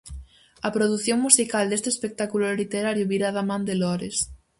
A produción musical deste espectáculo literario virá da man de Lores.